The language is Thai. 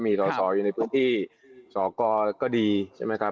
มีสอสออยู่ในพื้นที่สกก็ดีใช่ไหมครับ